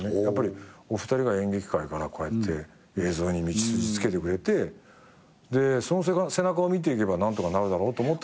やっぱりお二人が演劇界からこうやって映像に道筋つけてくれてその背中を見ていけば何とかなるだろうと。